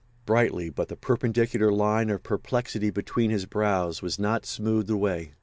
Brightly, but the perpendicular line of perplexity between his brows was not smoothed away.